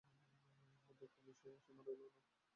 আমার দুঃখের কোনো সীমা রইল না।